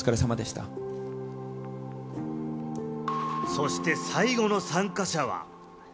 そして最後の参加者は。